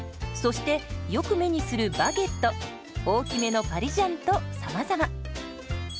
そしてよく目にするバゲット大きめのパリジャンとさまざま。